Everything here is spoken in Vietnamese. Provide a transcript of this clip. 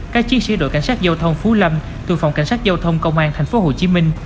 các chiến sĩ đội cảnh sát giao thông phú lâm thuộc phòng cảnh sát giao thông công an thành phố hồ chí minh